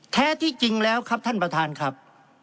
แท้ที่จริงแล้วครับท่านประธานครับ